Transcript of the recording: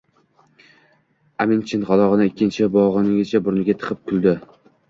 Amin chinchalog‘ini ikkinchi bo‘g‘inigacha burniga tiqib kuldi